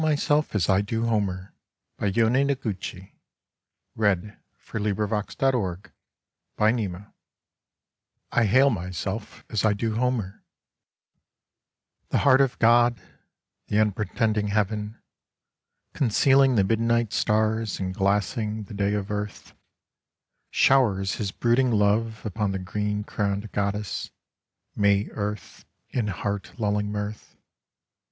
FROM "THE VOICE OF THE VALLEY" (1898) 13 I HAIL MYSELF AS I DO HOMER The heart of God, the unpretending heaven, concealing the midnight stars in glassing the day of earth, • Showers his brooding love upon the green crowned goddess. May Earth, in heart lulling mirth.